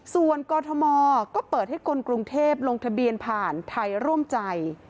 ส่วนกรทมก็เปิดให้คนกรุงเทพลงทะเบียนผ่านไทยร่วมใจ